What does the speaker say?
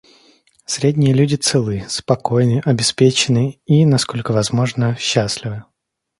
Средние люди целы, спокойны, обеспечены и, насколько возможно, счастливы.